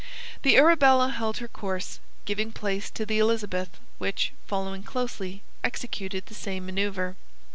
The Arabella held to her course, giving place to the Elizabeth, which, following closely, executed the same manoeuver.